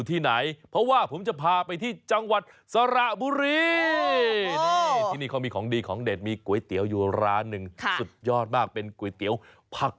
ตกลงพาดิฉันไปได้หรือยัง